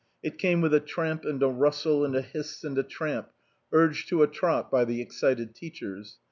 It came with a tramp and a rustle and a hiss and a tramp, urged to a trot by the excited teachers.